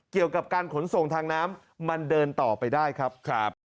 เกี่ยวกับการขนส่งทางน้ำมันเดินต่อไปได้ครับ